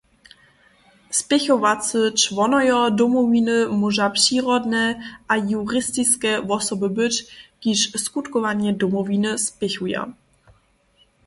Spěchowacy čłonojo Domowiny móža přirodne a juristiske wosoby być, kiž skutkowanje Domowiny spěchuja.